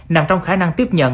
nằm trong khả năng tiếp nhận